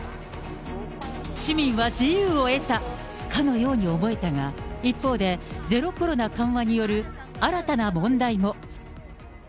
市民は自由を得たかのように思えたが、一方で、ゼロコロナ緩和による新たな問題も。